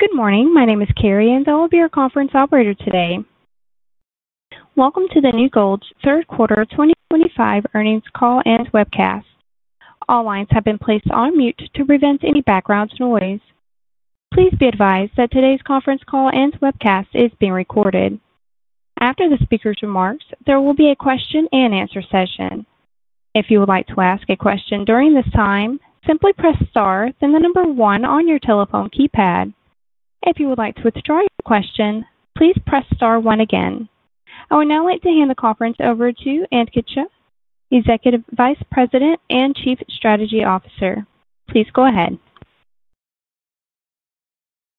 Good morning, my name is Carrie and I will be your conference operator today. Welcome to the New Gold's third quarter 2025 earnings call and webcast. All lines have been placed on mute to prevent any background noise. Please be advised that today's conference call and webcast is being recorded. After the speakers' remarks, there will be a question-and-answer session. If you would like to ask a question during this time, simply press star then the number one on your telephone keypad. If you would like to withdraw your question, please press star one again. I would now like to hand the conference over to Ankit Shah, Executive Vice President and Chief Strategy Officer. Please go ahead.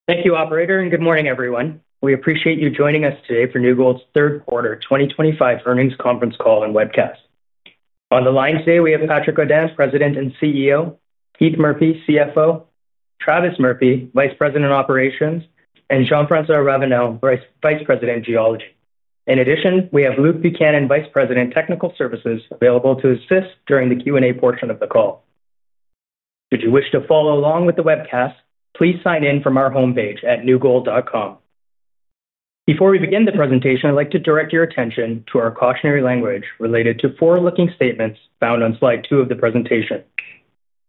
Thank you, Operator, and good morning, everyone. We appreciate you joining us today for New Gold's third quarter 2025 earnings conference call and webcast. On the line today we have Patrick Godin, President and CEO, Keith Murphy, CFO, Travis Murphy, Vice President, Operations, and Jean-Francois Ravenelle, Vice President, Geology. In addition, we have Luke Buchanan, Vice President, Technical Services, available to assist during the Q&A portion of the call. If you wish to follow along with the webcast, please sign in from our homepage at newgold.com. Before we begin the presentation, I'd like to direct your attention to our cautionary language related to forward-looking statements found on Slide 2 of the presentation.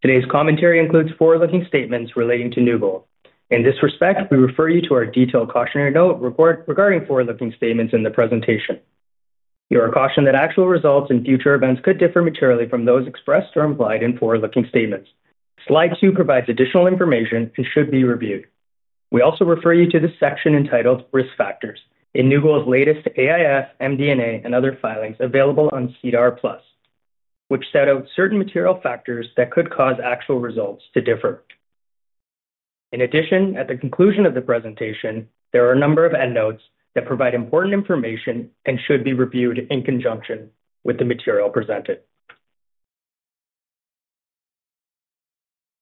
Today's commentary includes forward-looking statements relating to New Gold Inc. In this respect, we refer you to our detailed cautionary note regarding forward-looking statements in the presentation. You are cautioned that actual results and future events could differ materially from those expressed or implied in forward-looking statements. Slide 2 provides additional information and should be reviewed. We also refer you to the section entitled Risk Factors in New Gold Inc.'s latest AIF, MD&A, and other filings available on SEDAR Plus, which set out certain material factors that could cause actual results to differ. In addition, at the conclusion of the presentation, there are a number of endnotes that provide important information and should be reviewed in conjunction with the material presented.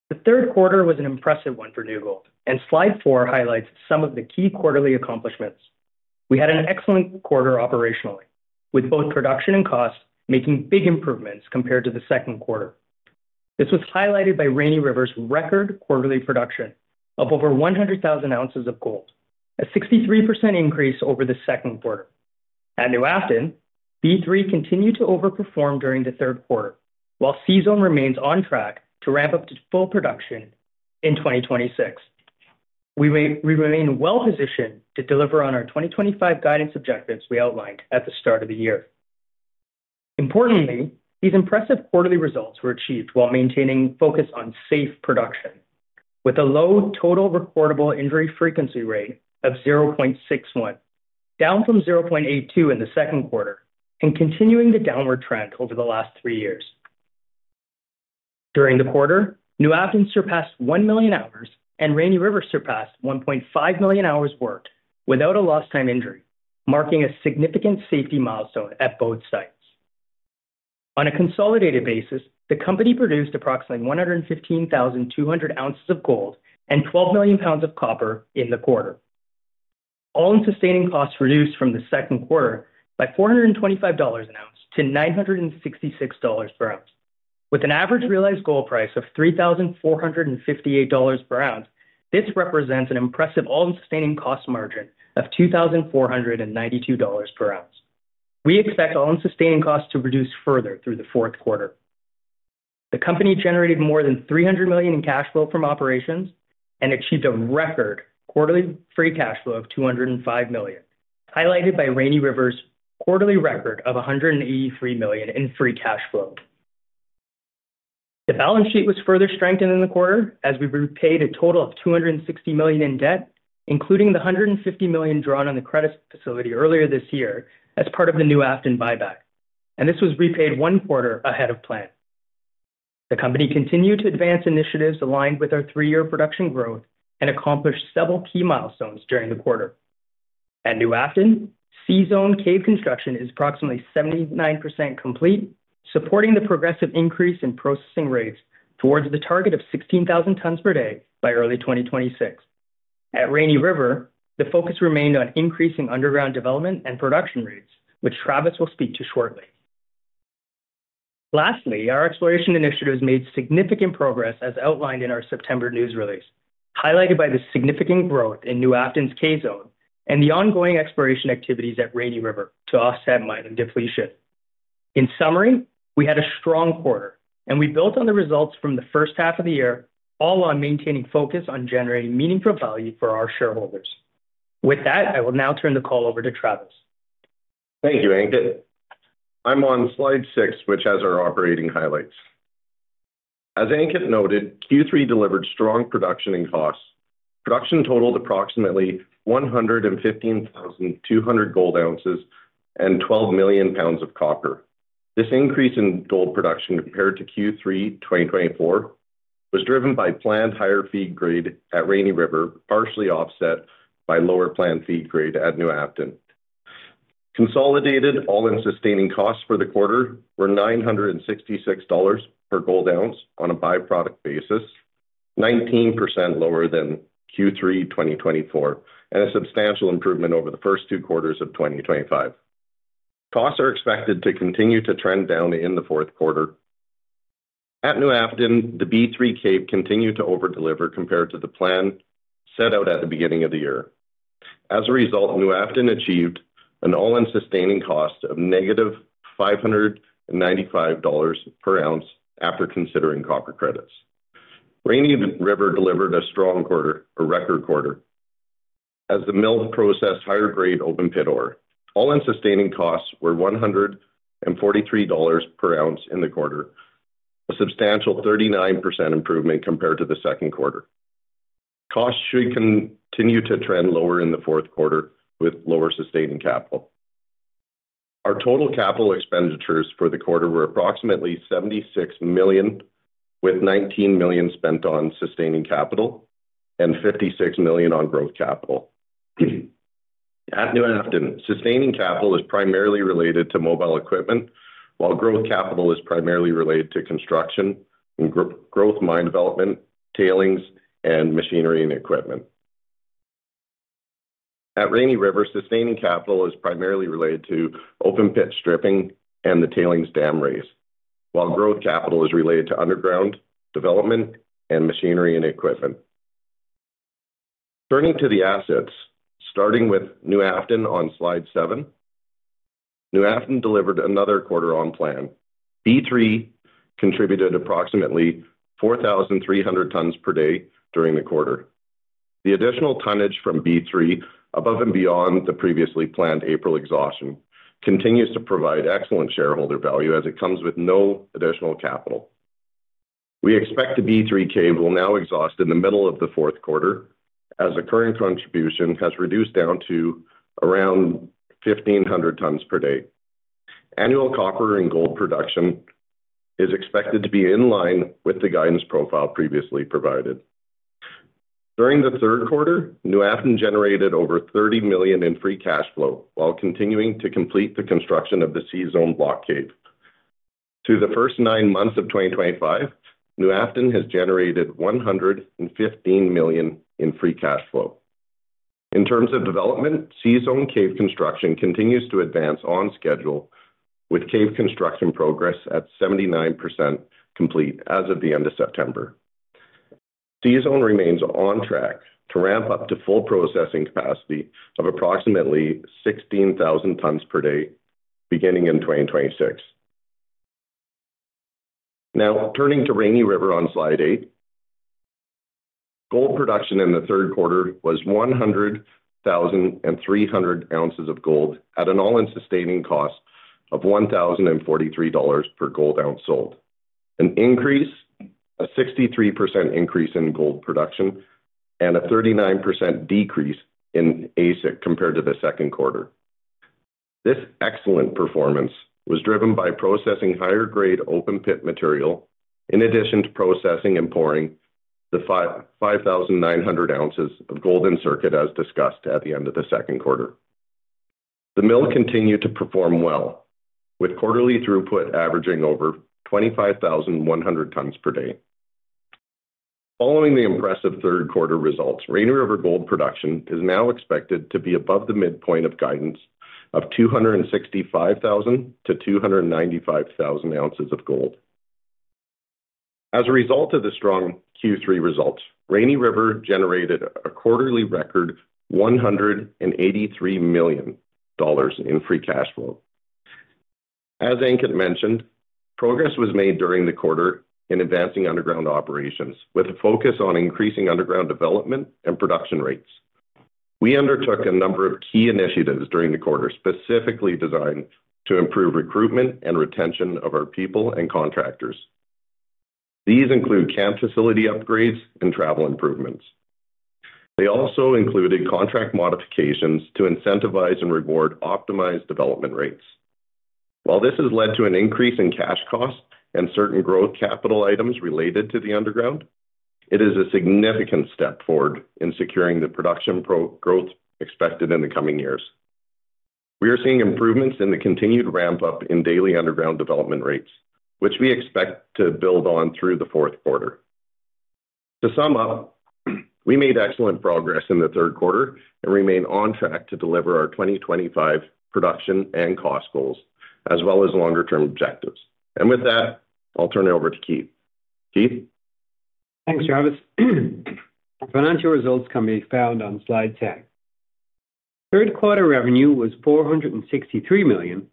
The third quarter was an impressive one for New Gold, and Slide 4 highlights some of the key quarterly accomplishments. We had an excellent quarter operationally, with both production and cost making big improvements compared to the second quarter. This was highlighted by Rainy River's record quarterly production of over 100,000 ounces of gold, a 63% increase over the second quarter. At New Afton, B3 continued to overperform during the third quarter, while C-Zone remains on track to ramp up to full production in 2026. We remain well positioned to deliver on our 2025 guidance objectives we outlined at the start of the year. Importantly, these impressive quarterly results were achieved while maintaining focus on safe production, with a low total recordable injury frequency rate of 0.61, down from 0.82 in the second quarter and continuing the downward trend over the last three years. During the quarter, New Afton surpassed 1 million hours and Rainy River surpassed 1.5 million hours worked without a lost time injury, marking a significant safety milestone at both sites. On a consolidated basis, the company produced approximately 115,200 ounces of gold and 12 million lbs of copper in the quarter. All-in sustaining costs reduced from the second quarter by $425 an ounce to $966 per ounce, with an average realized gold price of $3,458 per ounce. This represents an impressive all-in sustaining cost margin of $2,492 per ounce. We expect all-in sustaining costs to reduce further through the fourth quarter. The company generated more than $300 million in cash flow from operations and achieved a record quarterly free cash flow of $205 million, highlighted by Rainy River's quarterly record of $183 million in free cash flow. The balance sheet was further strengthened in the quarter as we repaid a total of $260 million in debt, including the $150 million drawn on the credit facility earlier this year as part of the New Afton buyback, and this was repaid a quarter ahead of plan. The company continued to advance initiatives aligned with our three-year production growth and accomplished several key milestones during the quarter. At New Afton, C-Zone cave construction is approximately 79% complete, supporting the progressive increase in processing rates towards the target of 16,000 tons per day by early 2026. At Rainy River, the focus remained on increasing underground development and production rates, which Travis will speak to shortly. Lastly, our exploration initiatives made significant progress as outlined in our September news release, highlighted by the significant growth in New Afton's K-Zone and the ongoing exploration activities at Rainy River to offset mine end depletion. In summary, we had a strong quarter and we built on the results from the first half of the year, all on maintaining focus on generating meaningful value for our shareholders. With that, I will now turn the call over to Travis. Thank you Ankit. I'm on slide 6 which has our operating highlights. As Ankit noted, Q3 delivered strong production and costs. Production totaled approximately 115,200 gold ounces and 12 million lbs of copper. This increase in gold production compared to Q3 2024 was driven by planned higher feed grade at Rainy River, partially offset by lower planned feed grade at New Afton. All-in sustaining costs for the quarter were $966 per gold ounce on a byproduct basis, 19% lower than Q3 2024 and a substantial improvement over the first two quarters of 2025. Costs are expected to continue to trend down in the fourth quarter. At New Afton, the B3 cave continued to over deliver compared to the plan set out at the beginning of the year. As a result, New Afton achieved an all-in sustaining cost of negative $595 per ounce after considering copper credits. Rainy River delivered a strong quarter, a record quarter as the mill processed higher grade open pit ore. All-in sustaining costs were $143 per ounce in the quarter, a substantial 39% improvement compared to the second quarter. Costs should continue to trend lower in the fourth quarter with lower sustaining capital. Our total capital expenditures for the quarter were approximately $76 million, with $19 million spent on sustaining capital and $56 million on growth capital. At New Afton, sustaining capital is primarily related to mobile equipment while growth capital is primarily related to construction and growth mine development, tailings, and machinery and equipment. At Rainy River, sustaining capital is primarily related to open pit stripping and the tailings dam raise, while growth capital is related to underground development and machinery and equipment. Turning to the assets, starting with New Afton on slide 7, New Afton delivered another quarter on plan. B3 contributed approximately 4,300 tons per day during the quarter. The additional tonnage from B3 above and beyond the previously planned April exhaustion continues to provide excellent shareholder value as it comes with no additional capital. We expect the B3 cave will now exhaust in the middle of the fourth quarter as the current contribution has reduced down to around 1,500 tons per day. Annual copper and gold production is expected to be in line with the guidance profile previously provided. During the third quarter, New Afton generated over $30 million in free cash flow while continuing to complete the construction of the C-Zone cave. Through the first nine months of 2023, New Afton has generated $115 million in free cash flow. In terms of development season cave construction continues to advance on schedule with cave construction progress at 79% complete as of the end of september. C-Zone remains on track to ramp up to full processing capacity of approximately 16,000 tons per day beginning in 2026. Now turning to Rainy River on Slide 8. Gold production in the third quarter was 100,300 ounces of gold at an all-in sustaining cost of $1,043 per gold ounce sold, a 63% increase in gold production and a 39% decrease in AISC compared to the second quarter. This excellent performance was driven by processing higher grade open pit material in addition to processing and pouring the 5,900 ounces of gold in circuit. As discussed at the end of the second quarter, the mill continued to perform well with quarterly throughput averaging over 25,100 tons per day. Following the impressive third quarter results, Rainy River gold production is now expected to be above the midpoint of guidance of 265,000-295,000 ounces of gold. As a result of the strong Q3 results, Rainy River generated a quarterly record $183 million in free cash flow. As Ankit mentioned, progress was made during the quarter in advancing underground operations with a focus on increasing underground development and production rates. We undertook a number of key initiatives during the quarter specifically designed to improve recruitment and retention of our people and contractors. These include camp facility upgrades and travel improvements. They also included contract modifications to incentivize and reward optimized development rates. While this has led to an increase in cash cost and certain growth capital items related to the underground, it is a significant step forward in securing the production growth expected in the coming years. We are seeing improvements in the continued ramp up in daily underground development rates which we expect to build on through the fourth quarter. To sum up, we made excellent progress in the third quarter and remain on track to deliver our 2025 production and cost goals as well as longer term objectives. With that, I'll turn it over to Keith. Thanks Travis. Financial results can be found on slide 10. Third quarter revenue was $463 million,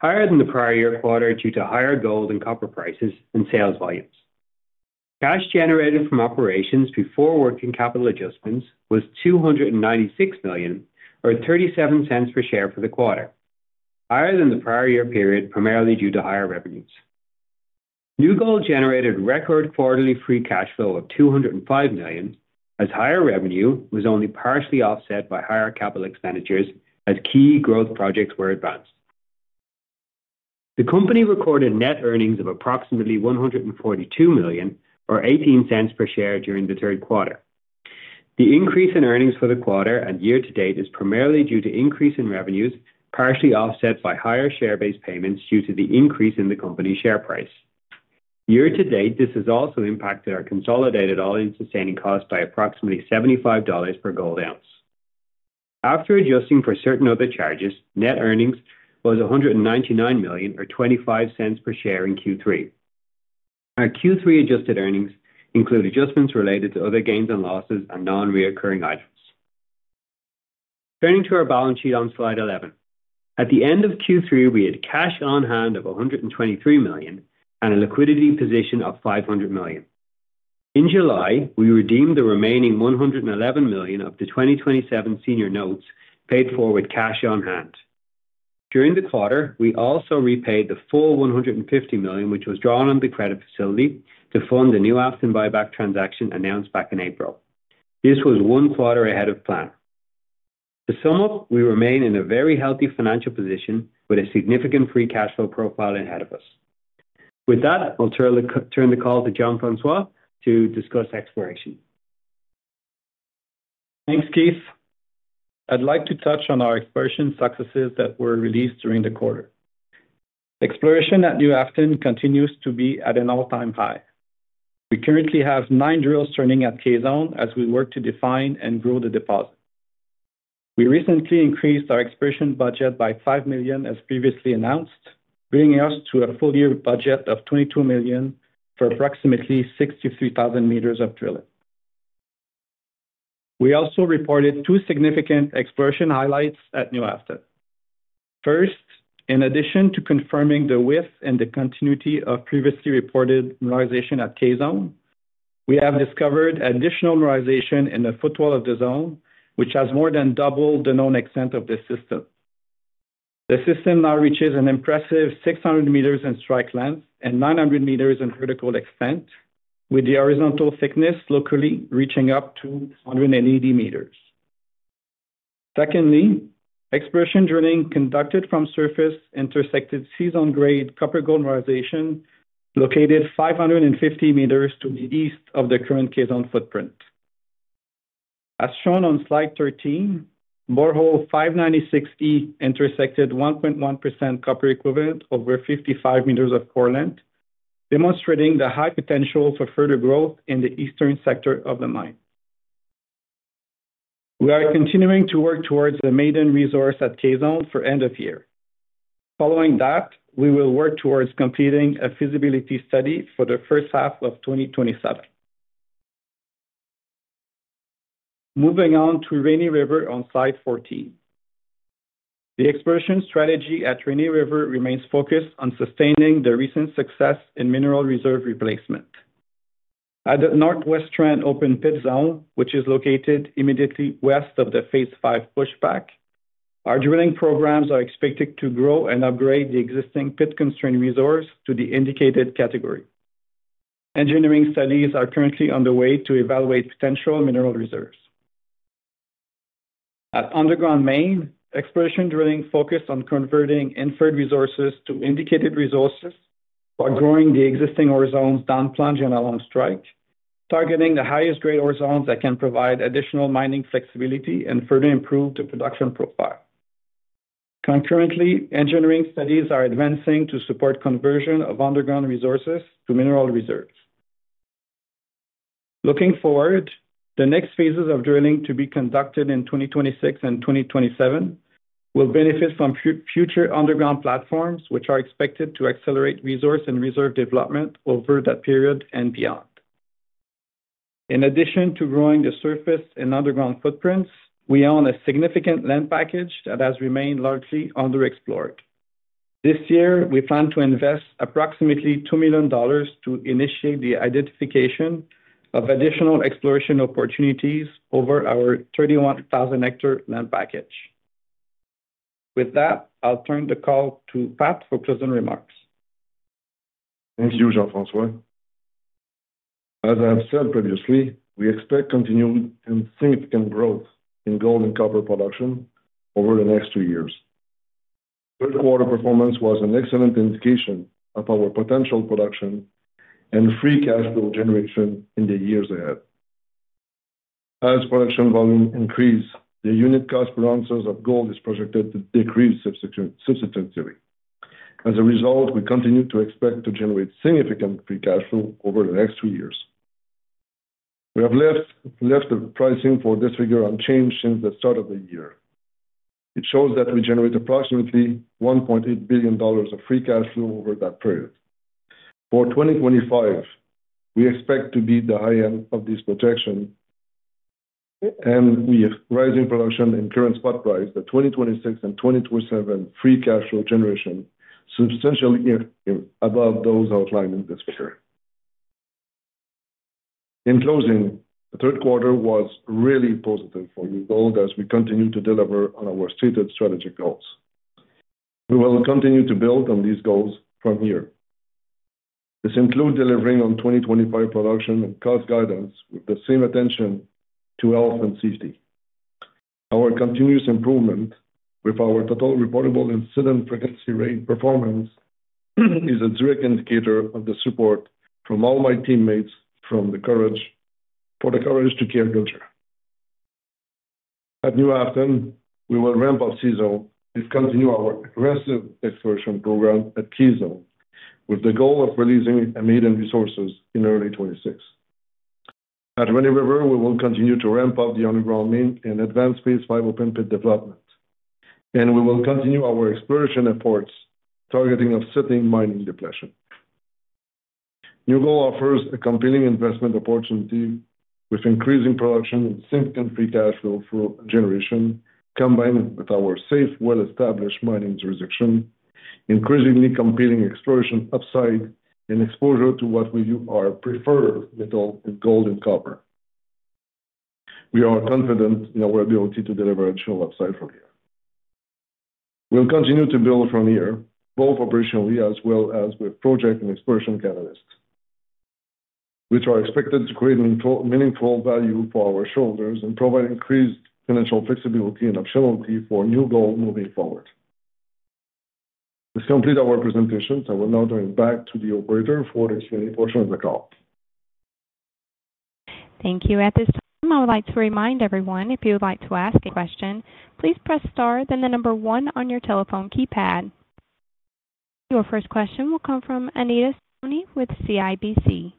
higher than the prior year quarter due to higher gold and copper prices and sales volumes. Cash generated from operations before working capital adjustments was $296 million, or $0.37 per share for the quarter, higher than the prior year period primarily due to higher revenues. New Gold generated record quarterly free cash flow of $205 million as higher revenue was only partially offset by higher capital expenditures as key growth projects were advanced. The company recorded net earnings of approximately $142 million, or $0.18 per share during the third quarter. The increase in earnings for the quarter and year to date is primarily due to increase in revenues, partially offset by higher share-based payments due to the increase in the company's share price. Year-to-date this has also impacted our consolidated all-in sustaining cost by approximately $75 per gold ounce after adjusting for certain other charges. Net earnings was $199 million, or $0.25 per share in Q3. Our Q3 adjusted earnings include adjustments related to other gains and losses and non-recurring items. Turning to our balance sheet on slide 11, at the end of Q3 we had cash on hand of $123 million and a liquidity position of $500 million. In July, we redeemed the remaining $111 million of the 2027 senior notes, paid for with cash on hand during the quarter. We also repaid the full $150 million which was drawn on the credit facility to fund the New Afton buyback transaction announced back in April. This was a quarter ahead of plan. To sum up, we remain in a very healthy financial position with a significant free cash flow profile ahead of us. With that, I'll turn the call to Jean-Francois to discuss exploration. Thanks Keith. I'd like to touch on our exploration successes that were released during the quarter. Exploration at New Afton continues to be at an all-time high. We currently have nine drills turning at K-Zone as we work to define and grow the deposit. We recently increased our exploration budget by $5 million as previously announced, bringing us to a full year budget of $22 million for approximately 63,000 m of drilling. We also reported two significant exploration highlights at New Afton. First, in addition to confirming the width and the continuity of previously reported mineralization at K-Zone, we have discovered additional mineralization in the footwall of the zone which has more than doubled the known extent of this system. The system now reaches an impressive 600 m in strike length and 900 m in vertical extent, with the horizontal thickness locally reaching up to 180 m. Secondly, exploration drilling conducted from surface intersected season grade copper gold mineralization located 550 m to the east of the current K-Zone footprint. As shown on slide 13, borehole 596E intersected 1.1% copper equivalent over 55 m of core length, demonstrating the high potential for further growth in the eastern sector of the mine. We are continuing to work towards the maiden resource at K-Zone for end of year. Following that, we will work towards completing a feasibility study for the first half of 2027. Moving on to Rainy River on slide 14. The exploration strategy at Rainy River remains focused on sustaining the recent success in mineral reserve replacement. At the Northwest Trend open pit zone, which is located immediately west of the Phase VOC, our drilling programs are expected to grow and upgrade the existing pit-constrained resource to the indicated category. Engineering studies are currently underway to evaluate potential mineral reserves. At underground main exploration drilling is focused on converting inferred resources to indicated resources while growing the existing ore zones down plunge and along strike, targeting the highest grade ore zones that can provide additional mining flexibility and further improve the production profile. Concurrently, engineering studies are advancing to support conversion of underground resources to mineral reserves. Looking forward, the next phases of drilling to be conducted in 2026 and 2027 will benefit from future underground platforms, which are expected to accelerate resource and reserve development over that period and beyond. In addition to growing the surface and underground footprints, we own a significant land package that has remained largely underexplored. This year, we plan to invest approximately $2 million to initiate the identification of additional exploration opportunities over our 31,000 hectare land package. With that, I'll turn the call to Pat for closing remarks. Thank you, Jean-Francois. As I have said previously, we expect continued and significant growth in gold and copper production over the next two years. Third quarter performance was an excellent indication of our potential production and free cash flow generation in the years ahead. As production volumes increase, the unit cost per ounce of gold is projected to decrease substantially. As a result, we continue to expect to generate significant free cash flow over the next three years. We have left the pricing for this figure unchanged since the start of the year. It shows that we generate approximately $1.8 billion of free cash flow over that period. For 2025, we expect to be at the high end of this projection and with rising production and current spot price, the 2026 and 2027 free cash flow generation is substantially above those outlined in this figure. In closing, the third quarter was really positive for New Gold as we continue to deliver on our stated strategic goals. We will continue to build on these goals from here. This includes delivering on 2025 production and cost guidance with the same attention to health and safety. Our continuous improvement with our total reportable incident frequency rate performance is a direct indicator of the support from all my teammates for the courage to care. At New Afton, we will ramp up C-Zone, continue our aggressive exploration program at K-Zone with the goal of releasing a maiden resource in early 2026. At Rainy River, we will continue to ramp up the underground mine and advance phase 5 open pit development, and we will continue our exploration efforts targeting offsetting mining depletion. New Gold offers a compelling investment opportunity with increasing production, significant free cash flow generation. Combined with our safe, well-established mining jurisdiction, increasingly compelling exploration upside, and exposure to what we view as our preferred metals, gold and copper, we are confident in our ability to deliver additional upside from here. We will continue to build from here both operationally as well as with project and exploration catalysts, which are expected to create meaningful value for our shareholders and provide increased financial flexibility and optionality for New Gold moving forward. This completes our presentations. I will now turn it back to the operator for the Q&A portion of the call. Thank you. At this time, I would like to remind everyone, if you would like to ask a question, please press star then the number one on your telephone keypad. Your first question will come from Anita Simone with CIBC.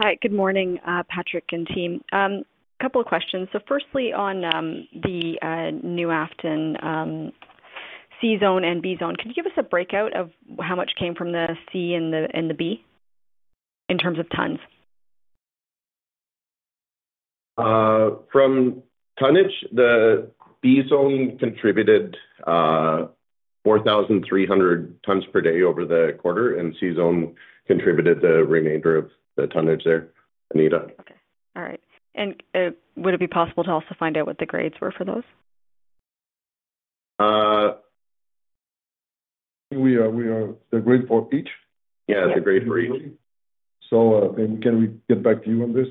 Hi, good morning Patrick and team, a couple of questions. Firstly, on the New Afton C-Zone and B-Zone, can you give us a breakout of how much came from the C and the B in terms of tons. From tonnage? The B-Zone contributed 4,300 tons per day over the C-Zone cave contributed the remainder of the tonnage there. Anita. All right. Would it be possible to also find out what the grades were for those? We are the grade for each. Yeah, their grade for each. Can we get back to you on this?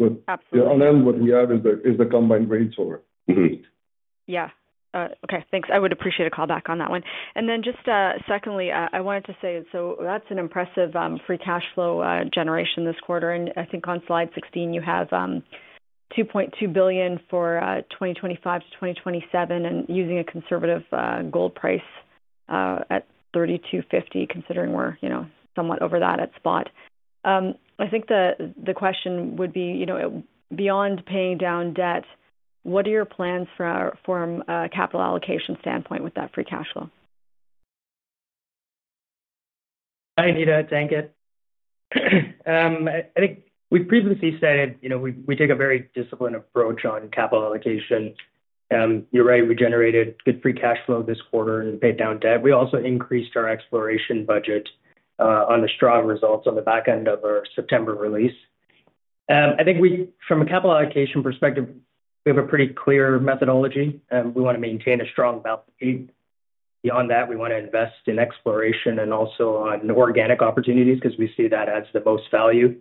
On our end, what we have is the combined grades. Yeah, okay, thanks. I would appreciate a callback on that one. Just secondly, I wanted to say that's an impressive free cash flow generation this quarter. I think on the slide you have $2.2 billion for 2025 to 2027, and using a conservative gold price at $3,250. Considering we're somewhat over that at spot, I think the question would be beyond paying down debt, what are your plans from a capital allocation standpoint with that free cash flow? Hi Anita, it's Ankit. I think we previously stated, you know, we take a very disciplined approach on capital allocation. You're right. We generated good free cash flow this quarter and paid down debt. We also increased our exploration budget. On the strong results on the back end of our September release, I think we, from a capital allocation perspective, we have a pretty clear methodology and we want to maintain a strong balance sheet. Beyond that, we want to invest in exploration and also on organic opportunities because we see that adds the most value.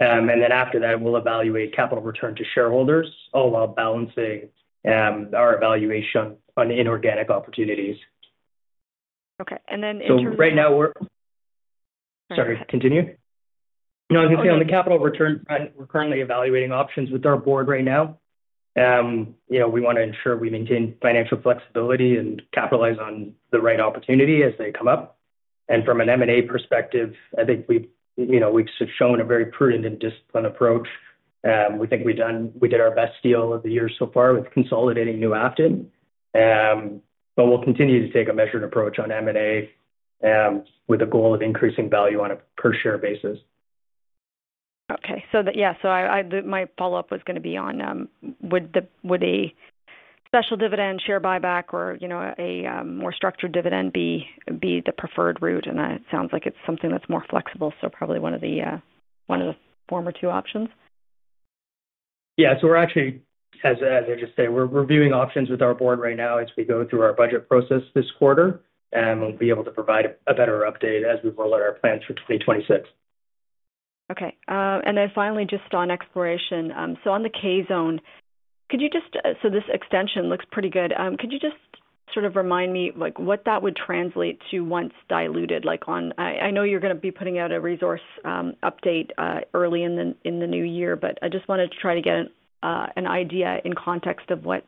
After that we'll evaluate capital return to shareholders, all while balancing our evaluation on inorganic opportunities. Now, as you see on the capital return front, we're currently evaluating options with our board right now. We want to ensure we maintain financial flexibility and capitalize on the right opportunity as they come up. From an M&A perspective, I think we've shown a very prudent and disciplined approach. We think we've done. We did our best deal of the year so far with consolidating New Afton. We'll continue to take a measured approach on M&A with the goal of increasing value on a per share basis. Yes, my follow up was going to be on would a special dividend, share buyback, or a more structured dividend be the preferred route. It sounds like it's something that's more flexible, so probably one of the former two options. Yeah, we're reviewing options with our board right now as we go through our budget process this quarter, and we'll be able to provide a better update as we roll out our plans for 2026. Okay. Finally, just on exploration, on the K-Zone, could you just, this extension looks pretty good. Could you just sort of remind me what that would translate to once diluted? I know you're going to be putting out a resource update early in the new year, but I just wanted to try to get an idea in context of what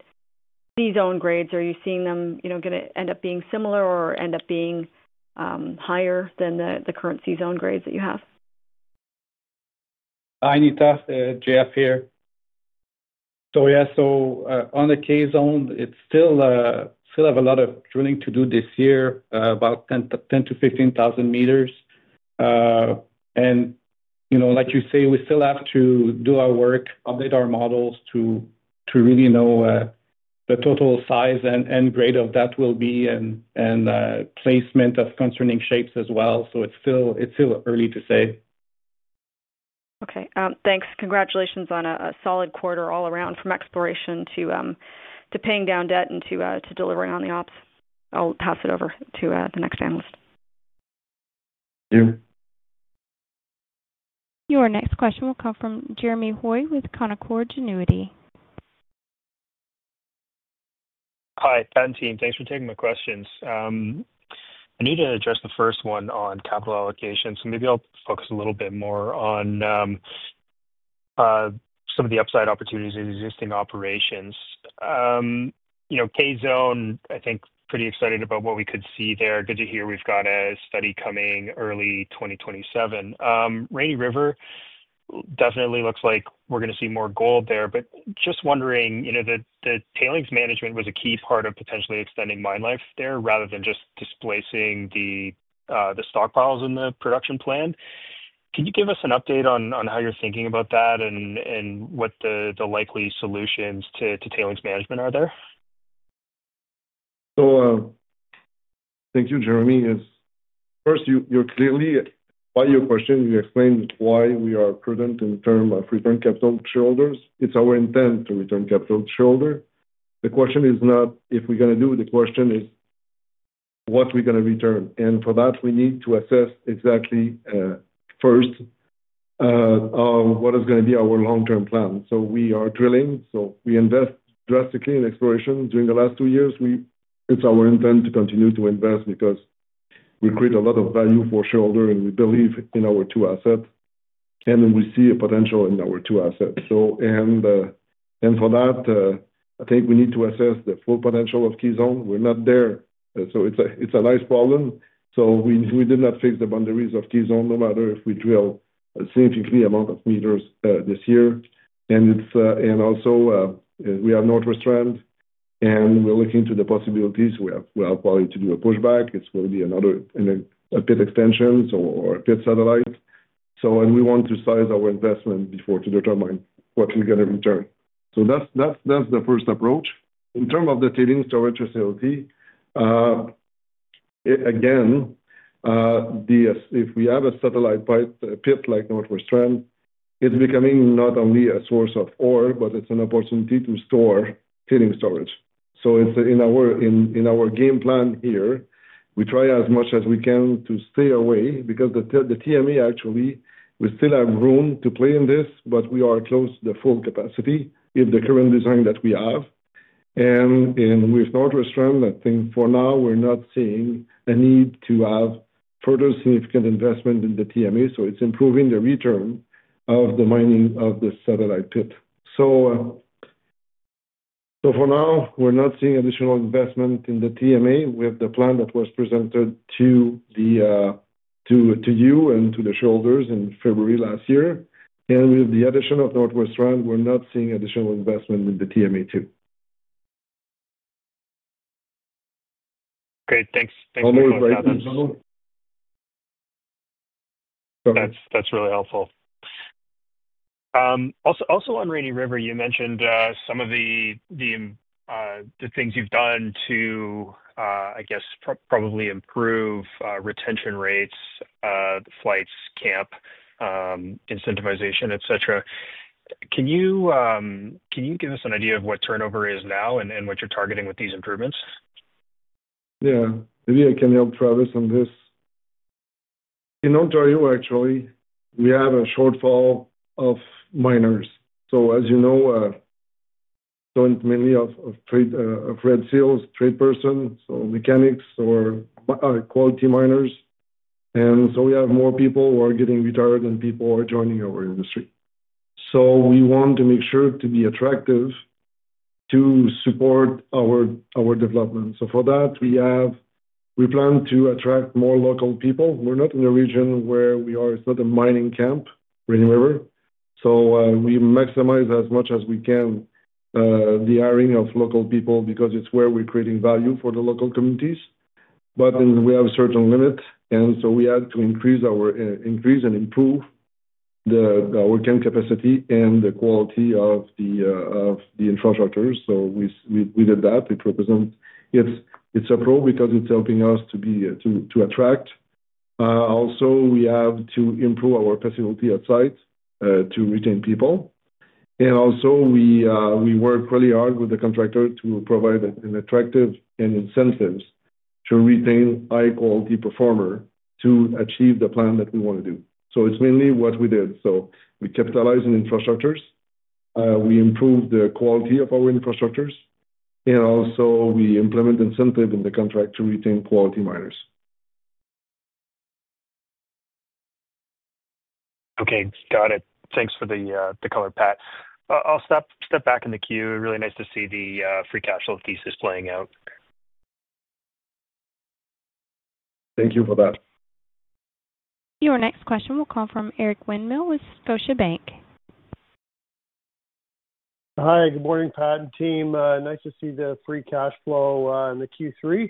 these own grades are. Are you seeing them, you know, going to end up being similar or end up being higher than the current C-Zone grades that you have? Hi Anita, Jeff here. On the K-Zone, it still has a lot of drilling to do this year, about 10,000 m-15,000 m. Like you say, we still have to do our work, update our models to really know the total size and grade of what that will be and placement of concerning shapes as well. It's still early to say. Okay, thanks. Congratulations on a solid quarter all around from exploration to paying down debt and to delivering on the ops. I'll pass it over to the next analyst. Thank you. Your next question will come from Jeremy Hoy with Canaccord Genuity. Hi Ben and team. Thanks for taking my questions. I need to address the first one on capital allocation, so maybe I'll focus a little bit more on some of the upside opportunities in existing operations. You know, K-Zone, I think, pretty excited about what we could see there. Good to hear. We've got a study coming early 2027. Rainy River definitely looks like we're going to see more gold there. Just wondering, the tailings management was a key part of potentially extending mine life there rather than just displacing the stockpiles in the production plan. Can you give us an update on how you're thinking about that and what the likely solutions to tailings management are there. Thank you, Jeremy. First, clearly by your question, you explained why we are prudent in terms of returning capital to shareholders. It's our intent to return capital to shareholders. The question is not if we're going to do it, the question is what we're going to return, and for that we need to assess exactly first what is going to be our long-term plan. We are drilling, so we invested drastically in exploration during the last two years. It's our intent to continue to invest because we create a lot of value for shareholders, and we believe in our two assets, and we see potential in our two assets. For that, I think we need to assess the full potential of K-Zone. We're not there, so it's a nice problem. We did not fix the boundaries of K-Zone, no matter if we drill a significant amount of meters this year, and also we have Northwest Trend, and we're looking to the possibilities we have to do a pushback. It's going to be another extension or satellite, and we want to size our investment before determining what we get in return. That's the first approach. In terms of the tailings storage facility, if we have a satellite pit like Northwest Trend, it's becoming not only a source of ore, but it's an opportunity to store tailings. In our game plan here, we try as much as we can to stay away because the TMA, actually, we still have room to play in this, but we are close to the full capacity with the current design that we have. With Northwest Trend, I think for now we're not seeing a need to have further significant investment in the TMA. It's improving the return of the mining of the satellite pit. For now, we're not seeing additional investment in the TMA. We have the plan that was presented to you and to the shareholders in February last year, and with the addition of Northwest Trend, we're not seeing additional investment in the TMA. Great, thanks. That's really helpful. Also, on Rainy River, you mentioned some of the things you've done to, I guess, probably improve retention rates, flights, camp incentivization, etc. Can you give us an idea of what turnover is now and what you're targeting with these improvements? Yeah, maybe I can help Travis on this. In Ontario, actually we have a shortfall of miners, so as you know, mainly of Red Seal trade person, so mechanics or quality miners. We have more people who are getting retired than people who are joining our industry. We want to make sure to be attractive to support our development. For that, we plan to attract more local people. We're not in a region where we are, it's not a mining camp, Rainy River. We maximize as much as we can the hiring of local people because it's where we're creating value for the local communities. We have certain limits, and we have to increase and improve the working capacity and the quality of the infrastructure. We did that. It represents its approach because it's helping us to attract. Also, we have to improve our facility at site to retain people. We work really hard with the contractor to provide attractive and incentives to retain high quality performer to achieve the plan that we want to do. It's mainly what we did. We capitalized in infrastructures, we improved the quality of our infrastructures, and also we implement incentive in the contract to retain quality miners. Okay, got it. Thanks for the color, Pat. I'll step back in the queue. Really nice to see the free cash flow thesis playing out. Thank you for that. Your next question will come from Eric Winmill with Scotiabank. Hi, good morning Pat and team. Nice to see the free cash flow in the Q3.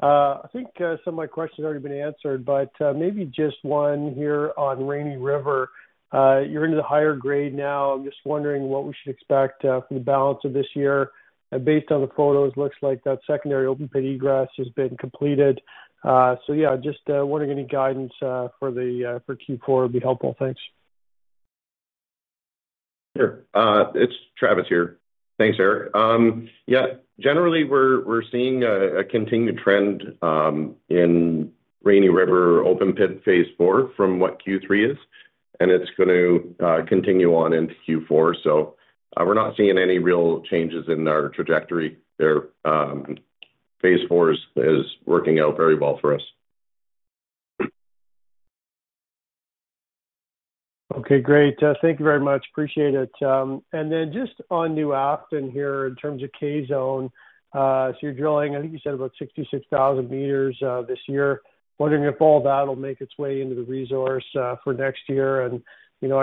I think some of my questions have already been answered, but maybe just one here on Rainy River. You're into the higher grade now. I'm just wondering what we should expect for the balance of this year. Based on the photos, looks like that secondary open pit egress has been completed. Any guidance for Q4 would be helpful. Thanks. Sure. It's Travis here. Thanks, Eric. Yeah, generally we're seeing a continued trend in Rainy River open pit Phase Four from what Q3 is, and it's going to continue on into Q4. We're not seeing any real changes in our trajectory there. Phase Four is working out very well for us. Okay, great. Thank you very much. Appreciate it. Just on New Afton here in terms of K-Zone, so you're drilling I think you said about 66,000 m this year. Wondering if all that will make its way into the resource for next year. I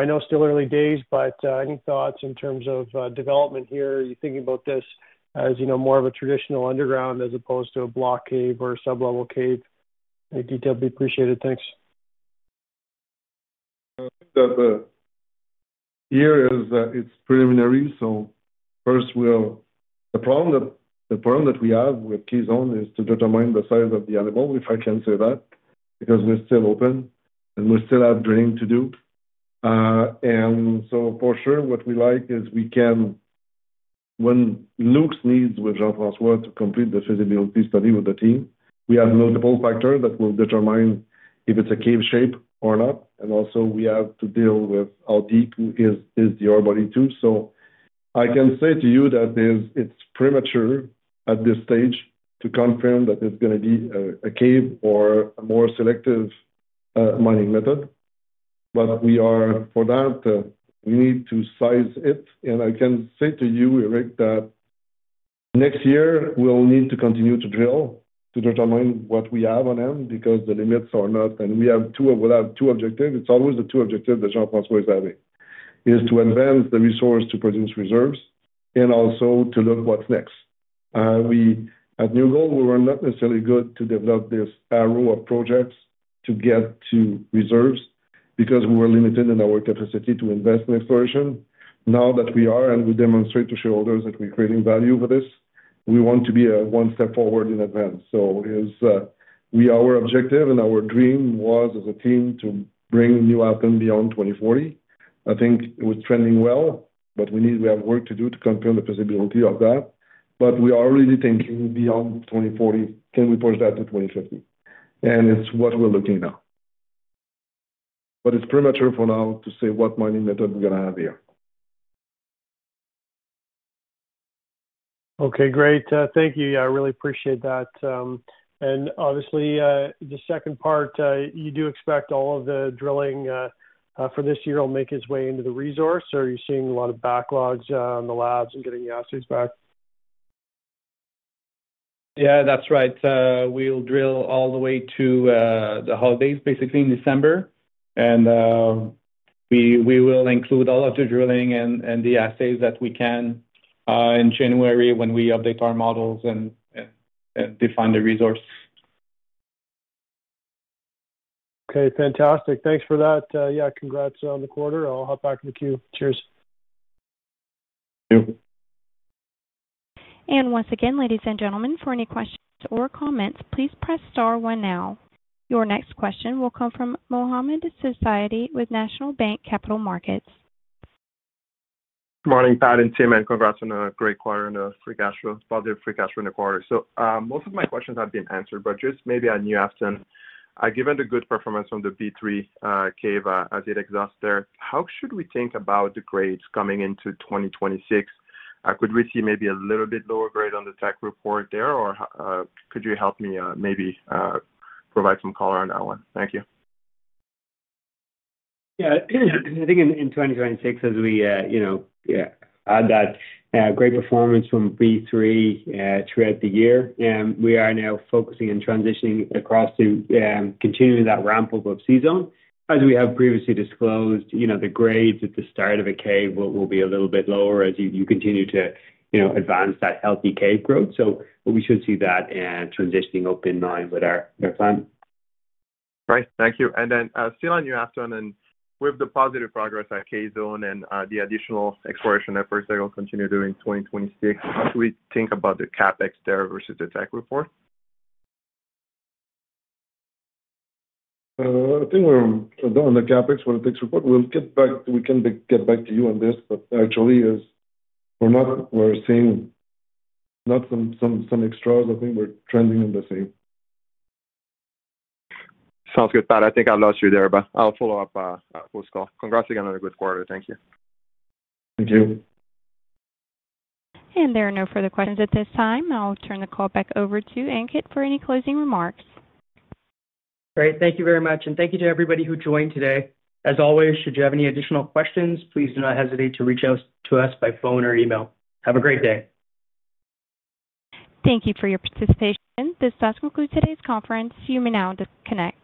know still early days, but any thoughts in terms of development here? You're thinking about this as more of a traditional underground as opposed to a block cave or sublevel cave. Any detail would be appreciated. Thanks. Here is, it's preliminary. The problem that we have with K-Zone is to determine the size of the animal, if I can say that, because we're still open and we still have drilling to do. For sure, what we like is we can, when Luke needs with Jean-Francois to complete the feasibility study with the team. We have multiple factors that will determine if it's a cave shape or not. We have to deal with how deep is the ore body too. I can say to you that it's premature at this stage to confirm that it's going to be a cave or a more selective mining method. For that, we need to size it. I can say to you, Eric, that next year we'll need to continue to drill to determine what we have on them, because the limits are not. We will have two objectives. It's always the two objectives that Jean-Francois is having: to advance the resource to produce reserves and also to look what's next. We at New Gold, we were not necessarily good to develop this area of projects to get to reserves because we were limited in our capacity to invest in exploration. Now that we are and we demonstrate to shareholders that we're creating value for this, we want to be one step forward in advance. Our objective and our dream was as a team to bring New Afton beyond 2040. I think it was trending well, but we have work to do to confirm the visibility of that. We are already thinking beyond 2040. Can we push that to 2050? It's what we're looking now, but it's premature for now to say what mining method we're going to have here. Okay, great, thank you, I really appreciate that. Obviously, the second part, you do expect all of the drilling for this year will make its way into the resource. Are you seeing a lot of backlogs in the labs and getting the assays back? Yeah, that's right. We'll drill all the way to the holidays, basically in December. We will include all of the drilling and the assays that we can in January when we update our models and define the resource. Okay, fantastic. Thanks for that. Yeah, congrats on the quarter. I'll hop back in the queue. Cheers. Once again, ladies and gentlemen, for any questions or comments, please press star one. Your next question will come from Mohamed Sidibé with National Bank Capital Markets. Good morning, Patrick and Tim, and congrats on a great quarter and free cash flow. Positive free cash flow in the quarter. Most of my questions have been answered, but just maybe at New Afton, given the good performance from the B3 cave as it exhausts there, how should we think about the grades coming into 2026? Could we see maybe a little bit lower grade on the technical report there, or could you help me maybe provide some color on that one? Thank you. Yeah, I think in 2026 as we, you know, add that great performance from B3 throughout the year, we are now focusing and transitioning across to continuing that ramp above. As we have previously disclosed, the grades at the start of a cave will be a little bit lower as you continue to advance that healthy cave growth. We should see that transitioning up in line with our plan. Right, thank you. Still on New Afton and with the positive progress at K-Zone and the additional exploration efforts that will continue during 2026, how should we think about the CapEx there versus the tech report? I think we're done the CapEx for the next report. We'll get back. We can get back to you on this, but actually as we're not, we're seeing some extras. I think we're trending in the same. Sounds good, Pat. I think I lost you there, but I'll follow up post call. Congrats again on a good quarter. Thank you. Thank you. There are no further questions at this time. I'll turn the call back over to Ankit for any closing remarks. Great. Thank you very much, and thank you to everybody who joined today. As always, should you have any additional questions, please do not hesitate to reach out to us by phone or email. Have a great day. Thank you for your participation. This does conclude today's conference. You may now disconnect.